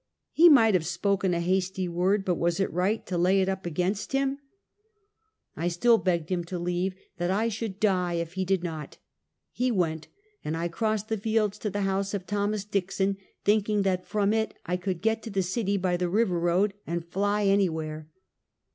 He might have spoken a hasty word, but was it right to lay it up against him? My Name Appears in Print. 87 I still begged him to leave — that I should die if he did not. He went, and I crossed the fields to the house of Thomas Dickson, thinking that from it I could get to the city by the river road and fly any where.